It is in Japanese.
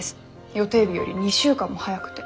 予定日より２週間も早くて。